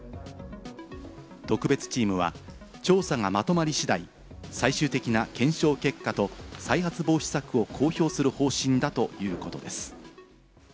特別チームは調査がまとまり次第、最終的な検証結果と再発防止策を公表する方針だということです。